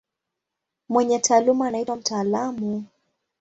Mwenye taaluma anaitwa mtaalamu.